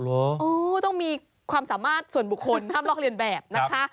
อ๋อต้องมีความสามารถส่วนบุคคลห้ามลอกเรียนแบบนะคะ